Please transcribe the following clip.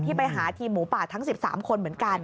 ไปหาทีมหมูป่าทั้ง๑๓คนเหมือนกัน